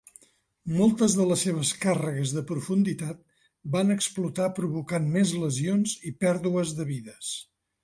Moltes de les seves càrregues de profunditat van explotar, provocant més lesions i pèrdues de vides.